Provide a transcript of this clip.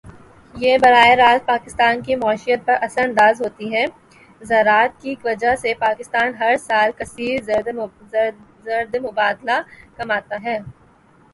یہ براہِ راست پاکستان کی معیشت پر اثر اندازہوتی ہے۔ زراعت کی وجہ سے پاکستان ہر سال کثیر زرمبادلہ کماتا ہے.